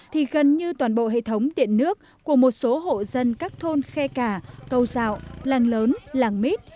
thì gần như toàn bộ hệ thống điện nước của một số hộ dân các thôn khe cà câu dạo làng lớn làng mít